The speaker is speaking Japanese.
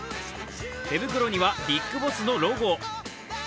手袋には「ビッグボス」のロゴ。